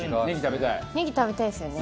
ネギ食べたいですよね。